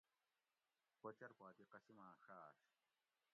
کوچر پا دی قسماٞں ݭاٞش